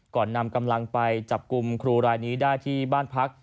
นำกำลังไปจับกลุ่มครูรายนี้ได้ที่บ้านพัก